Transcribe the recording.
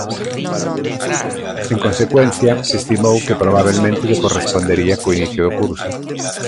En consecuencia, estimou que "probabelmente lle correspondería co inicio do curso".